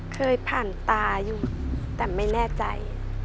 เคยผ่านตาอยู่แต่ไม่แน่ใจ